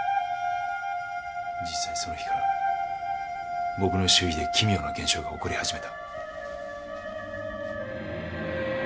実際その日から僕の周囲で奇妙な現象が起こり始めた。